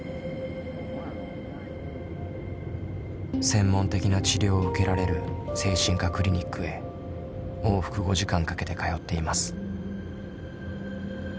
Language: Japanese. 専門的な治療を受けられる精神科クリニックへ往復５時間かけて通っています。